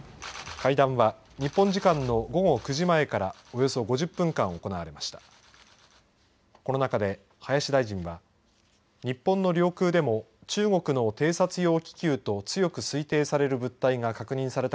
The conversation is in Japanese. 会談は日本時間の午後９時前からおよそ５０分間、行われました。